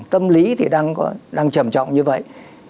tâm lý thì đang trầm trọng như vậy